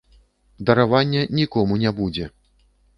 Даравання нікому не будзе.